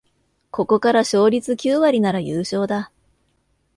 ここから勝率九割なら優勝だ